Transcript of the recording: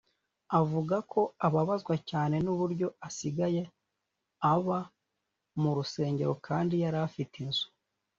Avuga ko ababazwa cyane n’uburyo asigaye aba mu rusengero kandi yari afite inzu